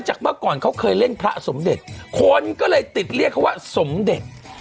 เมื่อก่อนเขาเคยเล่นพระสมเด็จคนก็เลยติดเรียกเขาว่าสมเด็จ